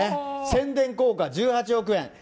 宣伝効果１８億円。